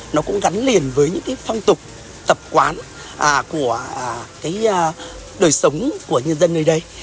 nó cũng gắn liền với những phong tục tập quán của đời sống của nhân dân nơi đây